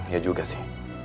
ya juga sih